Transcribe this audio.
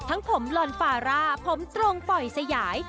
ผมลอนฟาร่าผมตรงปล่อยสยาย